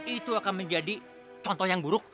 itu akan menjadi contoh yang buruk